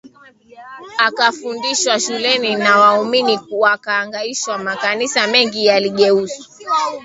ukafundishwa shuleni na waumini wakahangaishwa Makanisa mengi yaligeuzwa